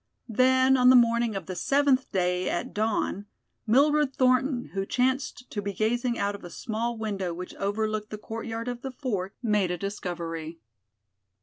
Then on the morning of the seventh day, at dawn, Mildred Thornton, who chanced to be gazing out of a small window which overlooked the courtyard of the fort, made a discovery.